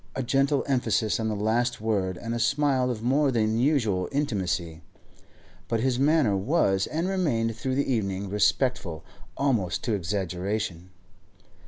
A gentle emphasis on the last word, and a smile of more than usual intimacy. But his manner was, and remained through the evening, respectful almost to exaggeration.